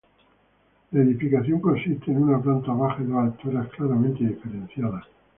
La edificación consiste en una planta baja y dos alturas, claramente diferenciadas.